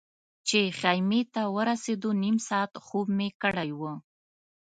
چې خیمې ته ورسېدو نیم ساعت خوب مې کړی و.